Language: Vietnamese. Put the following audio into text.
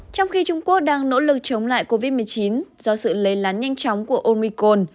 trong khi trung quốc đang nỗ lực chống lại covid một mươi chín do sự lây lan nhanh chóng của omicon